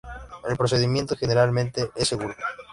El procedimiento generalmente es seguro.